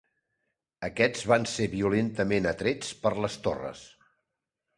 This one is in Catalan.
Aquests van ser violentament atrets per les Torres.